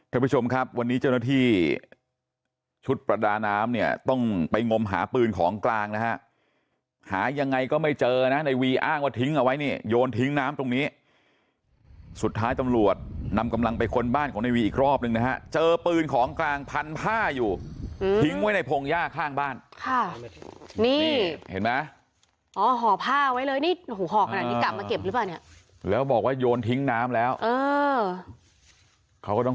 ทุกวันทุกวันทุกวันทุกวันทุกวันทุกวันทุกวันทุกวันทุกวันทุกวันทุกวันทุกวันทุกวันทุกวันทุกวันทุกวันทุกวันทุกวันทุกวันทุกวันทุกวันทุกวันทุกวันทุกวันทุกวันทุกวันทุกวันทุกวันทุกวันทุกวันทุกวันทุกวัน